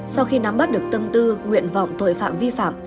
sau khi nắm bắt được tâm tư nguyện vọng tội phạm vi phạm